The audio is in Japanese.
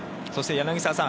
、柳澤さん